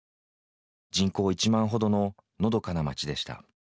人口１万ほどののどかな町でした。